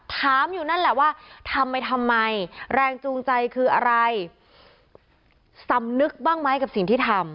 ถามอยู่นั่นแหละว่าทำไปทำไมแรงจูงใจคืออะไรสำนึกบ้างไหมกับสิ่งที่ทำ